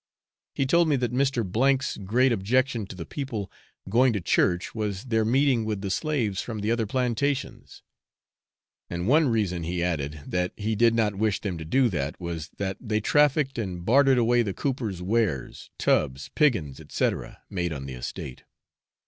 He told me that Mr. K 's great objection to the people going to church was their meeting with the slaves from the other plantations; and one reason, he added, that he did not wish them to do that was, that they trafficked and bartered away the cooper's wares, tubs, piggins, &c., made on the estate.